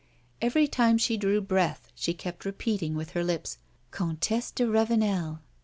Every time she drew breath, she kept repeating with her lips: "Comtesse de Ravenel."